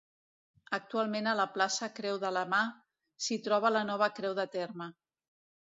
Actualment a la plaça Creu de la Mà s'hi troba la nova creu de terme.